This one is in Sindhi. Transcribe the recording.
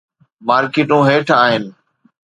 مارڪيٽون هيٺ آهن.